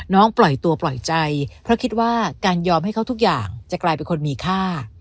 ปล่อยตัวปล่อยใจเพราะคิดว่าการยอมให้เขาทุกอย่างจะกลายเป็นคนมีค่า